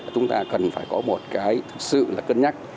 chúng ta cần phải có một cái sự là cân nhắc